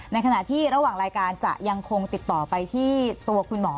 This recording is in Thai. ในขณะที่ระหว่างรายการจะยังคงติดต่อไปที่ตัวคุณหมอ